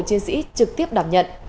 chiến sĩ trực tiếp đảm nhận